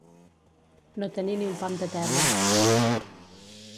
No tenir ni un pam de terra.